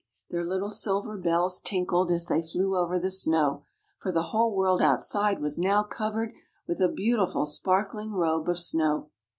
Their little silver bells tinkled as they flew over the snow—for the whole world outside was now covered with a beautiful sparkling robe of snow.